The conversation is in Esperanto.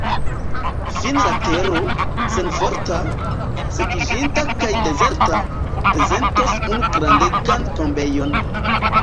Fine la tero, senforta, sekiĝinta kaj dezerta, prezentos unu grandegan tombejon.